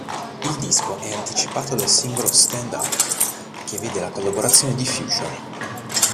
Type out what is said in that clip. Il disco è anticipato dal singolo "Stand Up", che vede la collaborazione di Future.